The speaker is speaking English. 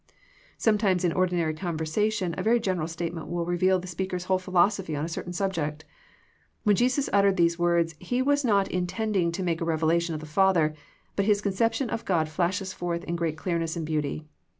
Sometimes in ordinary conversa tion a very general statement will reveal the speaker's whole philosophy on a certain subject. When Jesus uttered these words He was not in tending to make a revelation of the Father, but His conception of God flashes forth in great clearness and beauty.